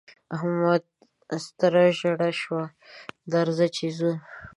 احمده! سترګه ژړه شوه؛ درځه چې ځو.